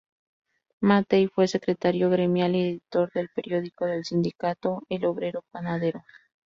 Mattei fue secretario gremial y editor del periódico del sindicato, "El Obrero Panadero".